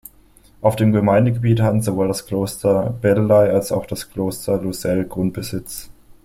Auf dem Gemeindegebiet hatten sowohl das Kloster Bellelay als auch das Kloster Lucelle Grundbesitz.